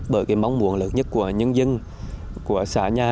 bởi mong muốn lực nhất của nhân dân của xã nhà